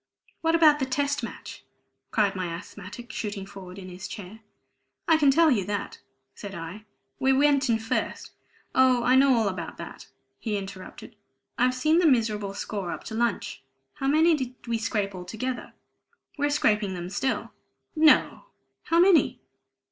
"What about the Test Match?" cried my asthmatic, shooting forward in his chair. "I can tell you that," said I. "We went in first " "Oh, I know all about that," he interrupted. "I've seen the miserable score up to lunch. How many did we scrape altogether?" "We're scraping them still." "No! How many?"